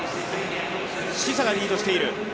シセがリードしている。